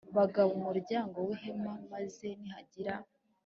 Bagabo muryango w,ihema maze nihagira